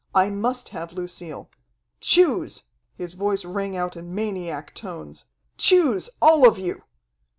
I must have Lucille. Choose!" His voice rang out in maniac tones. "Choose, all of you!"